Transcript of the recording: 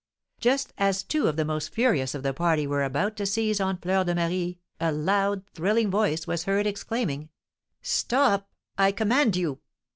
Just as two of the most furious of the party were about to seize on Fleur de Marie a loud, thrilling voice was heard, exclaiming: "Stop! I command you!"